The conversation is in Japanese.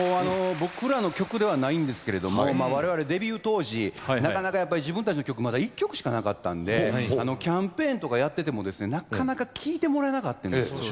僕らの曲ではないんですけども我々デビュー当時なかなか自分たちの曲まだ１曲しかなかったんでキャンペーンとかやっててもですねなかなか聴いてもらえなかったんですよ。